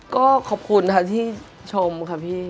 ก็ขอบคุณค่ะที่ชมค่ะพี่